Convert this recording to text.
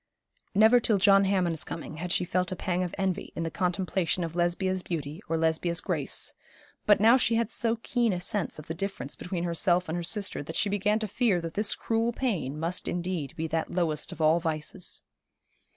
Never till John Hammond's coming had she felt a pang of envy in the contemplation of Lesbia's beauty or Lesbia's grace; but now she had so keen a sense of the difference between herself and her sister that she began to fear that this cruel pain must indeed be that lowest of all vices.